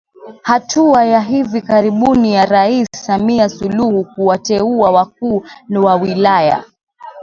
Hatua ya hivi karibuni ya Rais Samia Suluhu kuwateua wakuu wa wilaya